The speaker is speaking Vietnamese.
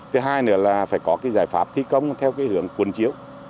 thứ hai nữa là phải có cái giải pháp thi công theo cái hướng quần chiếu